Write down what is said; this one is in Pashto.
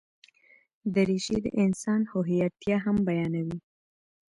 دریشي د انسان هوښیارتیا هم بیانوي.